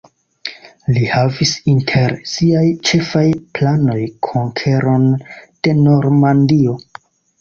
Li havis inter siaj ĉefaj planoj konkeron de Normandio.